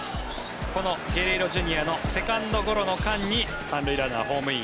このゲレーロＪｒ．のセカンドゴロの間に３塁ランナー、ホームイン。